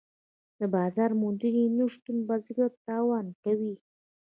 د بازار موندنې نشتون بزګر تاواني کوي.